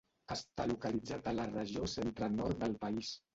Està localitzat a la regió centre-nord del país.